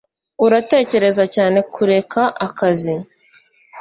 uratekereza cyane kureka akazi